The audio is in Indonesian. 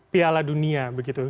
piala dunia begitu